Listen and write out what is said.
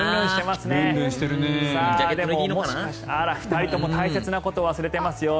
２人とも大切なことを忘れてますよ。